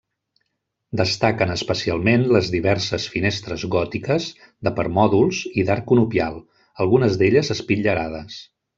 Destaquen especialment les diverses finestres gòtiques, de permòdols i d'arc conopial, algunes d'elles espitllerades.